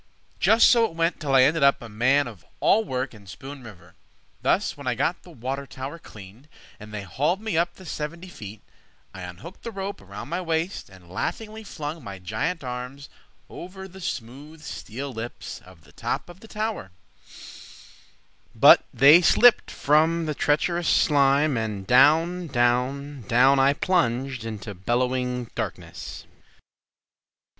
Just so it went till I ended up A man of all work in Spoon River. Thus when I got the water tower cleaned, And they hauled me up the seventy feet, I unhooked the rope from my waist, And laughingly flung my giant arms Over the smooth steel lips of the top of the tower— But they slipped from the treacherous slime, And down, down, down, I plunged Through bellowing darkness!